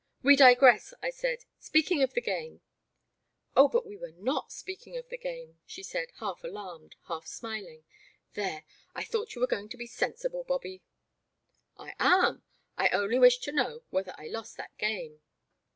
We digress," I said, speaking of the game— —"Oh, but we were not speaking of the game !" she said, half alarmed, half smiling ;there ! I thought you were going to be sensible, Bobby." The Black Water. 1 39 '* I am. I only wish to know whether I lost that game."